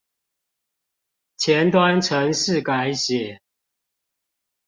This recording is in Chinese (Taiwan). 前端程式改寫